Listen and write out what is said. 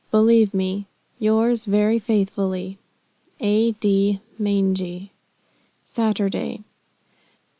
Believe me, "Yours very faithfully, "A.D. Maingy "_Saturday.